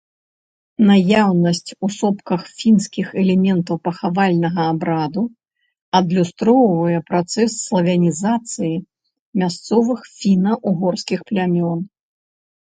Наяўнасць у сопках фінскіх элементаў пахавальнага абраду адлюстроўвае працэс славянізацыі мясцовых фіна-угорскіх плямён.